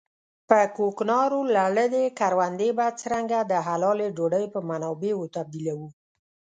په کوکنارو لړلې کروندې به څرنګه د حلالې ډوډۍ په منابعو تبديلوو.